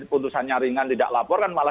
putusannya ringan tidak lapor kan malah